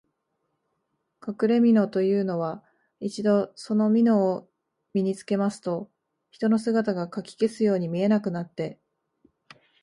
かくれみのというのは、一度そのみのを身につけますと、人の姿がかき消すように見えなくなって、